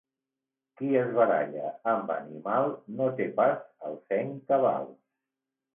Qui es baralla amb animal no té pas el seny cabal.